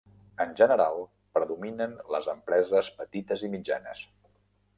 En general, predominen les empreses petites i mitjanes.